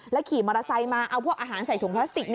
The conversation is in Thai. ขี่มอเตอร์ไซค์มาเอาพวกอาหารใส่ถุงพลาสติก